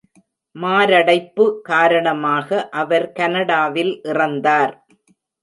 மாரடைப்பு காரணமாக அவர் கனடாவில் இறந்தார்.